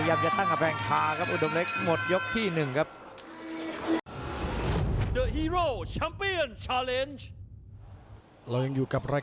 ยันคืนได้